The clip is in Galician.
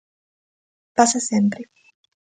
Pasa sempre.